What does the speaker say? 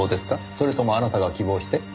それともあなたが希望して？